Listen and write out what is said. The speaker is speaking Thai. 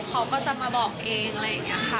เขาก็จะมาบอกเองอะไรอย่างนี้ค่ะ